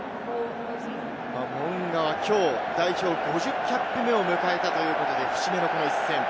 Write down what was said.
モウンガはきょう代表５０キャップ目を迎えたということで、節目の一戦。